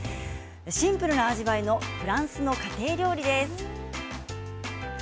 シンプルな味わいのフランスの家庭料理です。